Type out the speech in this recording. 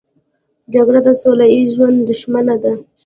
جګړه د سوله ییز ژوند دښمنه ده